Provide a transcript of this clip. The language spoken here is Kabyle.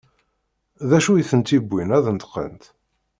D acu i tent-yewwin ad d-neṭqent?